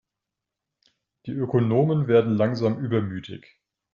Die Ökonomen werden langsam übermütig.